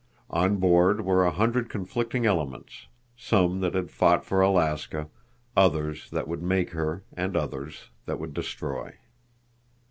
On board were a hundred conflicting elements—some that had fought for Alaska, others that would make her, and others that would destroy.